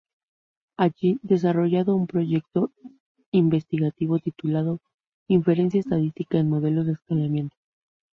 Allí desarrolló un proyecto investigativo titulado "Inferencia Estadística en Modelos de Escalamiento".